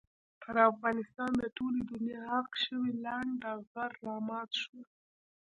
پر افغانستان د ټولې دنیا عاق شوي لنډه غر را مات شول.